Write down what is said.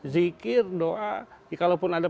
zikir doa kalaupun ada